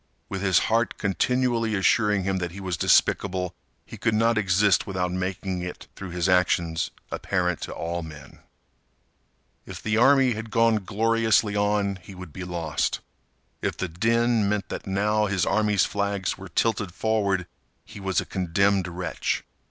With his heart continually assuring him that he was despicable, he could not exist without making it, through his actions, apparent to all men. If the army had gone gloriously on he would be lost. If the din meant that now his army's flags were tilted forward he was a condemned wretch.